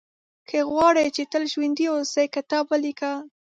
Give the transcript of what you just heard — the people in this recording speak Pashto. • که غواړې چې تل ژوندی اوسې، کتاب ولیکه.